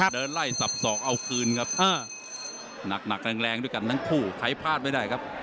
เดินไล่สับสอกเอาคืนครับหนักหนักแรงแรงด้วยกันทั้งคู่ใครพลาดไม่ได้ครับ